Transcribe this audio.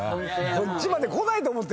こっちまでこないと思ってる。